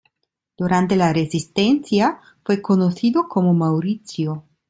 Durante la resistencia, fue conocido como Maurizio.